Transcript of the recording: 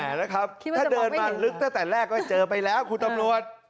คิดว่าจะบอกไม่เห็นถ้าเดินมาลึกตั้งแต่แรกก็จะเจอไปแล้วคุณตำรวจ